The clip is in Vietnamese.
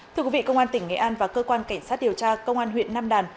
thưa quý vị công an tỉnh nghệ an và cơ quan cảnh sát điều tra công an huyện nam đàn